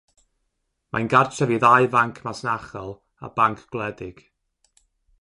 Mae'n gartref i ddau fanc masnachol a banc gwledig.